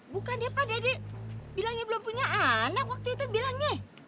bukannya pa deddy bilangnya belum punya anak waktu itu bilangnya